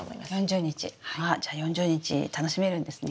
じゃあ４０日楽しめるんですね。